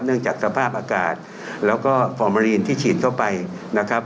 จากสภาพอากาศแล้วก็ฟอร์มารีนที่ฉีดเข้าไปนะครับ